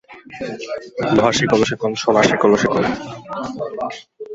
লোহার শিকলও শিকল, সোনার শিকলও শিকল।